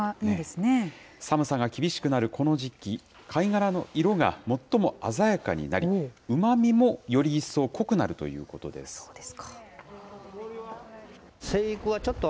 寒さが厳しくなるこの時期、貝殻の色が最も鮮やかになり、うまみもより一層濃くなるということです。